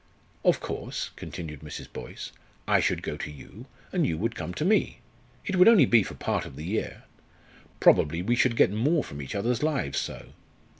"Of course," continued Mrs. Boyce, "I should go to you, and you would come to me. It would only be for part of the year. Probably we should get more from each other's lives so.